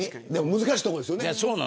難しいところですよね。